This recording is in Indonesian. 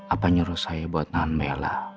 apa nyuruh saya buat nahan bella